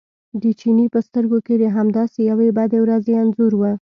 د چیني په سترګو کې د همداسې یوې بدې ورځې انځور و.